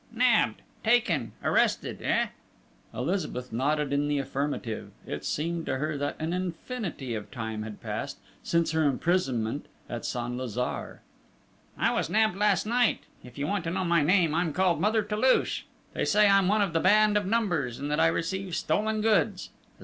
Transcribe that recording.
"Nabbed!... Taken!... Arrested!... Eh?" Elizabeth nodded in the affirmative. It seemed to her that an infinity of time had passed since her imprisonment at Saint Lazare. "I was nabbed last night. If you want to know my name, I'm called Mother Toulouche. They say I'm one of the band of Numbers, and that I receive stolen goods!